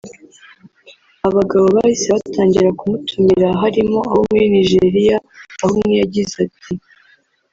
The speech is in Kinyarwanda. Abagabo bahise batangira kumutumira harimo abo muri Nigeria aho umwe yagize ati